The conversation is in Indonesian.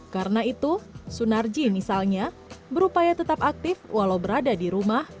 karena itu sunarji misalnya berupaya tetap aktif walau berada di rumah